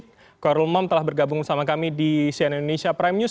pak rumam telah bergabung bersama kami di cnn indonesia prime news